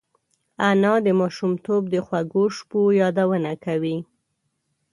انا د ماشومتوب د خوږو شپو یادونه کوي